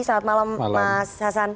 selamat malam mas hasan